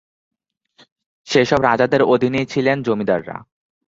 সেসব রাজাদের অধীনেই ছিলেন জমিদাররা।